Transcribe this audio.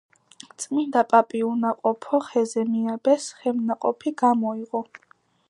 წმინდა პაპი უნაყოფო ხეზე მიაბეს, ხემ ნაყოფი გამოიღო.